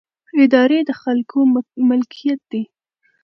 ادارې د خلکو ملکیت دي